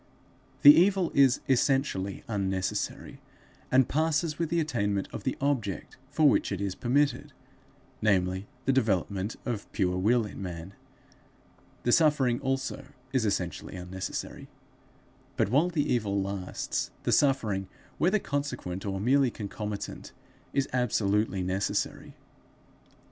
The evil is essentially unnecessary, and passes with the attainment of the object for which it is permitted namely, the development of pure will in man; the suffering also is essentially unnecessary, but while the evil lasts, the suffering, whether consequent or merely concomitant, is absolutely necessary.